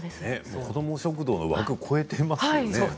子ども食堂の枠を超えてますね。